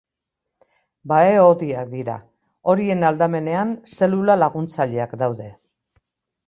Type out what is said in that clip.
Bahe-hodiak dira; horien aldamenean zelula laguntzaileak daude.